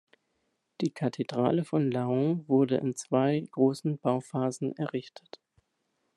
Die Kathedrale von Laon wurde in zwei großen Bauphasen errichtet.